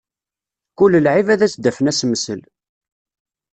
Kul lɛib ad as-d-afen asemsel.